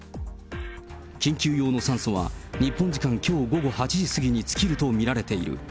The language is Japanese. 緊急用の酸素は日本時間きょう午後８時過ぎに尽きると見られている。